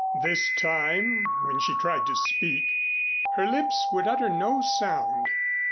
This time when she tried to speak, her lips would utter no sound.